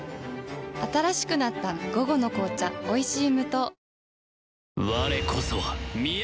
新しくなった「午後の紅茶おいしい無糖」